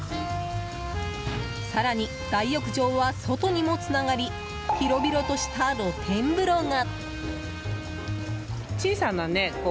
更に、大浴場は外にもつながり広々とした露天風呂が。